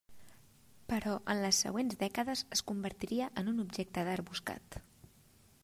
Però en les següents dècades, es convertiria en un objecte d'art buscat.